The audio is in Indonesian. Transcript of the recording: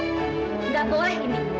nggak boleh indi